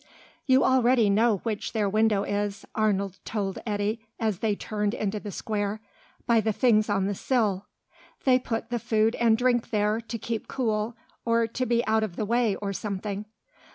"You always know which their window is," Arnold told Eddy as they turned into the square, "by the things on the sill. They put the food and drink there, to keep cool, or be out of the way, or something."